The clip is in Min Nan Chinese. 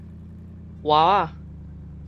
哇仔